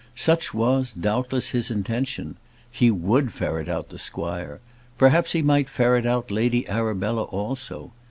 Such was, doubtless, his intention. He would ferret out the squire. Perhaps he might ferret out Lady Arabella also.